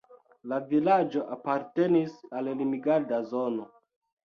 La vilaĝo apartenis al Limgarda zono.